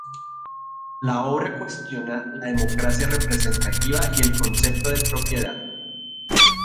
La obra cuestiona la democracia representativa y el concepto de propiedad.